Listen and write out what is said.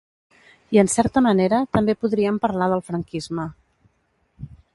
I en certa manera també podríem parlar del franquisme.